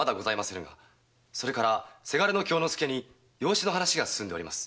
それから伜の京之介に養子の話が進んでおります。